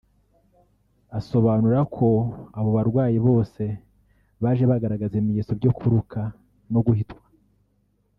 asobanura ko abo barwayi bose baje bagaragaza ibimenyetso byo kuruka no guhitwa